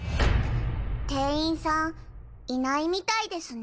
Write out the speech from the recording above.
店員さんいないみたいですね。